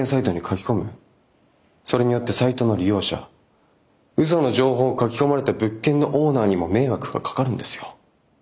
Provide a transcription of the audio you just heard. それによってサイトの利用者嘘の情報を書き込まれた物件のオーナーにも迷惑がかかるんですよ。